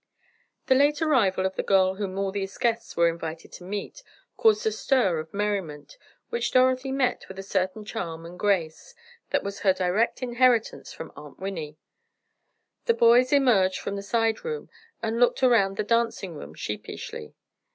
The late arrival of the girl whom all these guests were invited to meet, caused a stir of merriment, which Dorothy met with a certain charm and grace, that was her direct inheritance from Aunt Winnie. The boys emerged from the side room and looked around the dancing room, sheepishly.